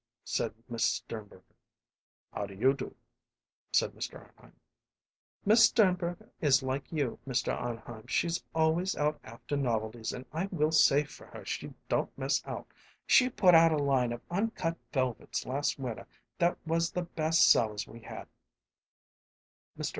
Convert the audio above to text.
said Miss Sternberger. "How do you do?" said Mr. Arnheim. "Miss Sternberger is like you, Mr. Arnheim she's always out after novelties; and I will say for her she don't miss out! She put out a line of uncut velvets last winter that was the best sellers we had." Mr.